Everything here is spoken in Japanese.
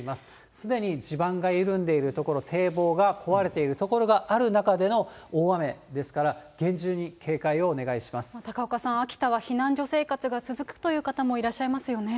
すでに地盤が緩んでいる所、堤防が壊れている所がある中での大雨ですから、高岡さん、秋田は避難所生活が続くという方もいらっしゃいますよね。